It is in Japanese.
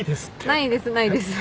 ないですないです。